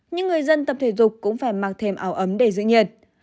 những người dân tập thể dục cũng phải mặc thêm áo ấm để giữ nhiệt